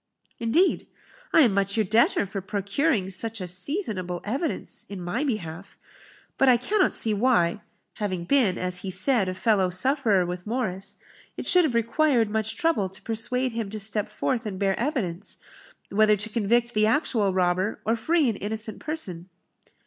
"Indeed? I am much your debtor for procuring such a seasonable evidence in my behalf. But I cannot see why (having been, as he said, a fellow sufferer with Morris) it should have required much trouble to persuade him to step forth and bear evidence, whether to convict the actual robber, or free an innocent person."